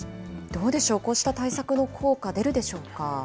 どうでしょう、こうした対策の効果、出るでしょうか。